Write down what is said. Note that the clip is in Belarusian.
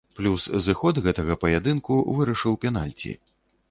Плюс зыход гэтага паядынку вырашыў пенальці.